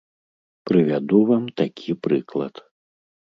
Прывяду вам такі прыклад.